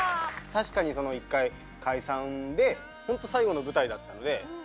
確かに１回解散で本当最後の舞台だったので。